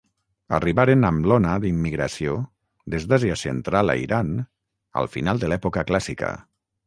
Arribaren amb l'ona d'immigració des d'Àsia Central a Iran al final de l'època clàssica.